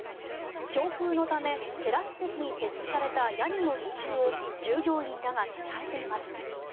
強風のためテラス席に設置された屋根の支柱を従業員らが支えています。